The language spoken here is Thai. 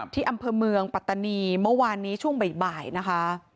ที่อำเภอเมืองปัตตานีเมื่อวานนี้ช่วงบ่ายนะคะ